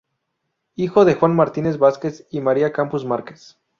Hijo de Juan Martínez Vásquez y María Camps Márquez.